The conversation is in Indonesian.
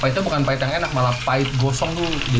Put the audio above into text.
paitnya bukan pait yang enak malah pait gosong itu jadi nggak mantas